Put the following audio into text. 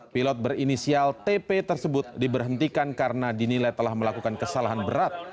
pilot berinisial tp tersebut diberhentikan karena dinilai telah melakukan kesalahan berat